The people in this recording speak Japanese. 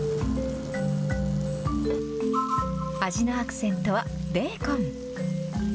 味のアクセントはベーコン。